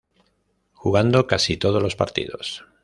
Jugando casi todos los partidos.